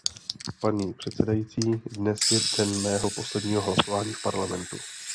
Paní předsedající, dnes je den mého posledního hlasování v Parlamentu.